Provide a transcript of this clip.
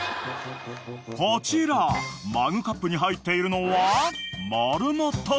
［こちらマグカップに入っているのは］